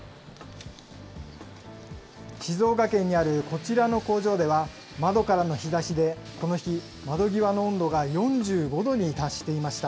静岡県にあるこちらの工場では、窓からの日ざしで、この日、窓際の温度が４５度に達していました。